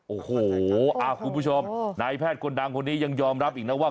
โอ้โหคุณผู้ชมนายแพทย์คนดังคนนี้ยังยอมรับอีกนะว่า